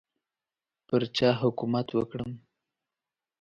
پر چا حکومت وکړم.